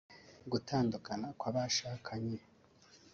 gutandukana kw’abashakanye